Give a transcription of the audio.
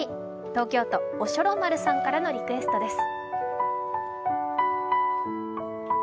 東京都・おしょろ丸さんからのリクエストです。